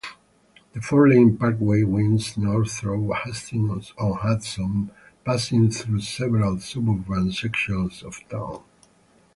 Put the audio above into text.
The four-lane parkway winds north through Hastings-on-Hudson, passing through several suburban sections of town.